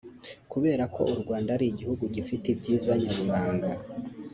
kubera ko u Rwanda ari igihugu gifite ibyiza nyaburanga